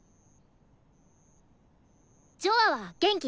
ジョアは元気？